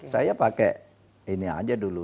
saya pakai ini aja dulu